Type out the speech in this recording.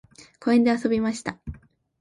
公園で遊びました。